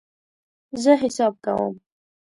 زه حساب کوم